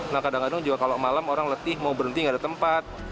nah kadang kadang juga kalau malam orang letih mau berhenti gak ada tempat